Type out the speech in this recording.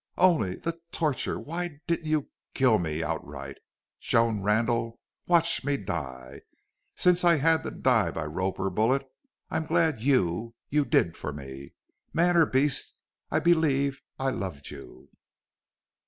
Only, the torture!... Why didn't you kill me outright?... Joan Randle watch me die! Since I had to die by rope or bullet I'm glad you you did for me.... Man or beast I believe I loved you!"